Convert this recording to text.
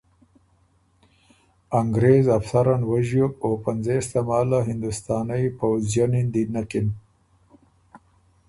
انګرېز افسر ان وݫیوک او پنځېس تماله هندوستانئ پؤځی ن دی نکِن۔